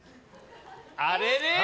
あれれ？